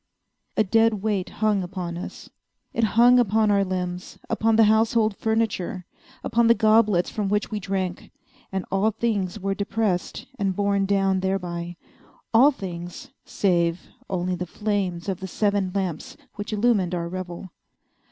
A dead weight hung upon us. It hung upon our limbs—upon the household furniture—upon the goblets from which we drank; and all things were depressed, and borne down thereby—all things save only the flames of the seven lamps which illumined our revel.